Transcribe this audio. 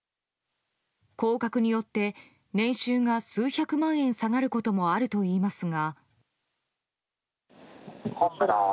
降格によって年収が数百万円下がることもあるといいますが。